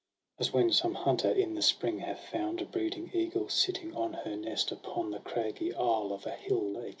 As when some hunter in the spring hath found A breeding eagle sitting on her nest, Upon the craggy isle of a hill lake.